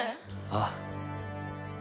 ああ。